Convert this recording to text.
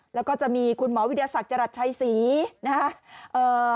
แล้วก็จะมีคุณหมอวิทยาศักดิ์จรัสชัยศรีนะครับ